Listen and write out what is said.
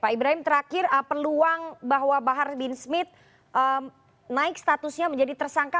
pak ibrahim terakhir peluang bahwa bahar bin smith naik statusnya menjadi tersangka